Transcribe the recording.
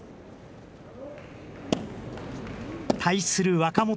対する若元